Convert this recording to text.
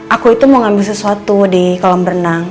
aku itu mau ngambil sesuatu di kolam berenang